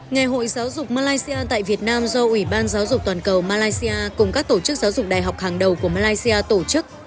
ngày hội giáo dục malaysia tại việt nam do ủy ban giáo dục toàn cầu malaysia cùng các tổ chức giáo dục đại học hàng đầu của malaysia tổ chức